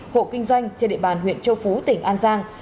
hộ kinh doanh trên địa bàn huyện châu phú tỉnh an giang